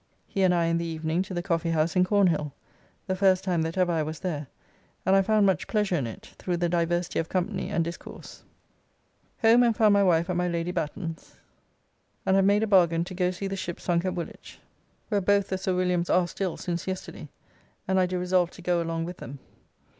He and I in the evening to the Coffee House in Cornhill, the first time that ever I was there, and I found much pleasure in it, through the diversity of company and discourse. Home and found my wife at my Lady Batten's, and have made a bargain to go see the ship sunk at Woolwich, where both the Sir Williams are still since yesterday, and I do resolve to go along with them.